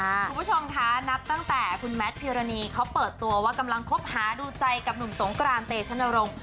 คุณผู้ชมคะนับตั้งแต่คุณแมทพิรณีเขาเปิดตัวว่ากำลังคบหาดูใจกับหนุ่มสงกรานเตชนรงค์